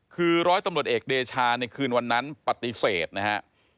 คือร้อยตำรวจเอกเดชาในคืนวันนั้นปฏิเสธนะฮะ